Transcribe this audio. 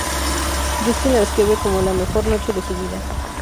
Justin la describe como "la mejor noche de su vida.